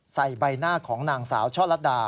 ใบหน้าของนางสาวช่อลัดดา